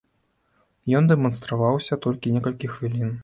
Ён дэманстраваўся толькі некалькі хвілін.